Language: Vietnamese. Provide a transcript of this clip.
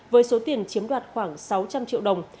với số tiền chiếm đoạt khoảng sáu trăm linh triệu đồng